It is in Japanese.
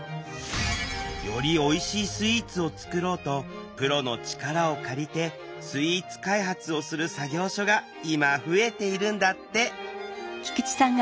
よりおいしいスイーツを作ろうとプロの力を借りてスイーツ開発をする作業所が今増えているんだって